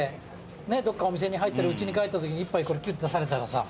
ねっどっかお店に入ったりうちに帰ったときに一杯これきゅって出されたらさ。